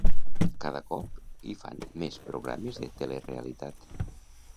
Cada cop hi fan més programes de telerealitat.